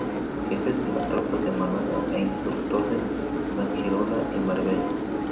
Jefe de la tropa de Málaga e instructor de Fuengirola y Marbella.